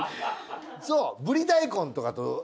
そうブリ大根とかと。